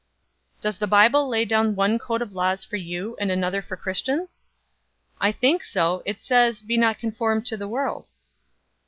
"Does the Bible lay down one code of laws for you and another for Christians?" "I think so it says, 'Be not conformed to the world.'"